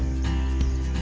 ya bagus kagum gitu ya